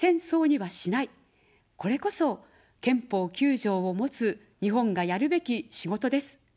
これこそ、憲法９条を持つ日本がやるべき仕事です。